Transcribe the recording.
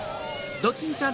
ドキンちゃん！